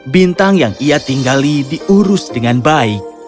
bintang yang ia tinggali diurus dengan baik